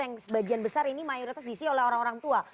yang sebagian besar ini mayoritas diisi oleh orang orang tua